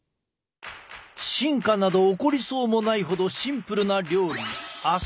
進化など起こりそうもないほどシンプルな料理